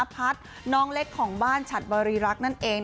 น้องเล็กของบ้านฉัดบริรักษ์นั่นเอง